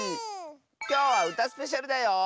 きょうは「うたスペシャル」だよ！